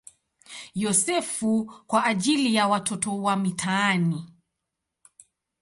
Yosefu" kwa ajili ya watoto wa mitaani.